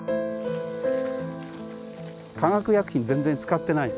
化学薬品全然使ってない。